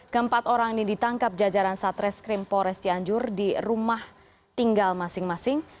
keempat orang ini ditangkap jajaran satres krim polres cianjur di rumah tinggal masing masing